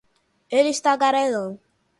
eles tagarelarão